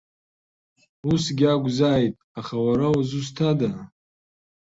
Усгьы акәзааит, аха уара узусҭада?